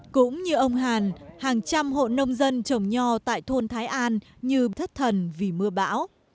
cũng như ông hàn hàng trăm hộ nông dân trồng nho tại thôn thái an như thất thần vì mưa bão